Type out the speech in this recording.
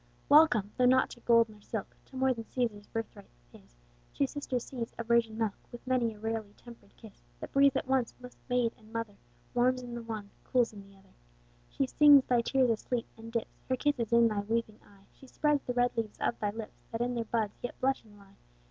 Welcome, though not to gold, nor silk, To more than Cæsar's birthright is, Two sister seas of virgin's milk, WIth many a rarely temper'd kiss, That breathes at once both maid and mother, Warms in the one, cools in the other. She sings thy tears asleep, and dips Her kisses in thy weeping eye, She spreads the red leaves of thy lips, That in their buds yet blushing lie.